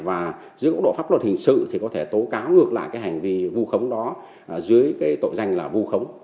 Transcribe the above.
và dưới góc độ pháp luật hình sự thì có thể tố cáo ngược lại cái hành vi vu khống đó dưới cái tội danh là vu khống